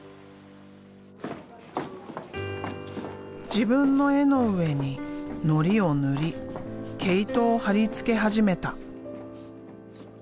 自分の絵の上にのりを塗り毛糸を貼り付け始めた。